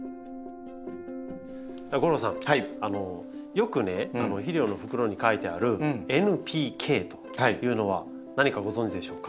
よくね肥料の袋に書いてあるというのは何かご存じでしょうか？